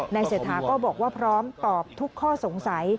เศรษฐาก็บอกว่าพร้อมตอบทุกข้อสงสัย